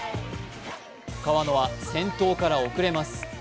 川野は先頭から遅れます。